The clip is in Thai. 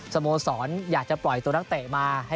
สโมสรอยากจะปล่อยตัวนักเตะมา